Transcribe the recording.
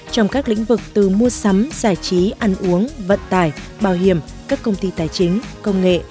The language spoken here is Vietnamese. trong các lĩnh vực từ mua sắm giải trí ăn uống vận tải bảo hiểm các công ty tài chính công nghệ